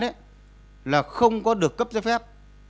và loại doanh nghiệp thứ hai là không có được cấp giới phép